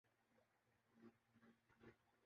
پنجاب میں پاکستان کے ساٹھ فی صد افراد آباد ہیں۔